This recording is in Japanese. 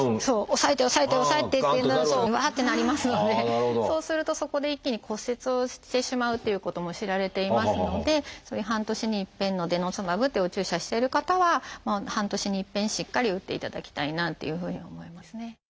抑えて抑えて抑えてっていうのがうわってなりますのでそうするとそこで一気に骨折をしてしまうということも知られていますのでそういう半年に一遍のデノスマブというお注射してる方は半年に一遍しっかり打っていただきたいなというふうに思いますね。